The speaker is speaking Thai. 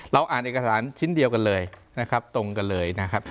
อ่านเอกสารชิ้นเดียวกันเลยนะครับตรงกันเลยนะครับ